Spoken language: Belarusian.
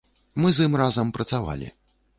Мы з ім разам працавалі.